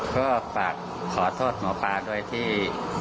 ก็ฝากขอโทษหมอปลาด้วยที่